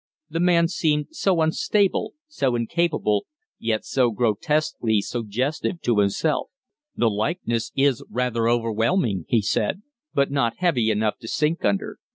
The man seemed so unstable, so incapable, yet so grotesquely suggestive to himself. "The likeness is rather overwhelming," he said; "but not heavy enough to sink under.